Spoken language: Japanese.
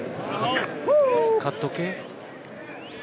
カット系？